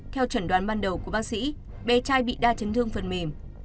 theo chuẩn đoán ban đầu của bác sĩ bé trai bị đa chấn thương phần mềm